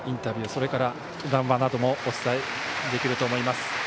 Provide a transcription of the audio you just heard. それから、談話などもお伝えできると思います。